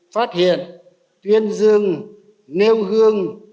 phát hiện tuyên dương nêu hương